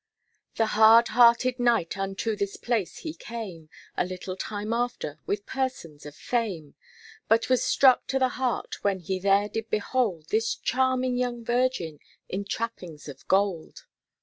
The hard hearted Knight unto this place he came, A little time after, with persons of fame, But was struck to the heart when he there did behold This charming young virgin in trappings of gold.